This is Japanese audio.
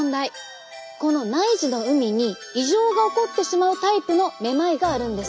この内耳の海に異常が起こってしまうタイプのめまいがあるんです。